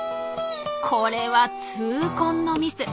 これは痛恨のミス。